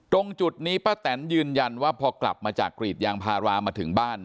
ตรงจุดนี้ป้าแตนยืนยันว่าพอกลับมาจากกรีดยางพารามาถึงบ้าน